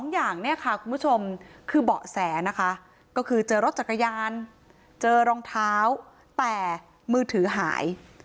๒อย่างคือเบาะแสก็คือเจอรถจักรยานยนต์เจอรองเท้าแต่มือถือหาย